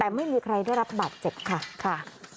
แต่ไม่มีใครได้รับบาดเจ็บค่ะค่ะ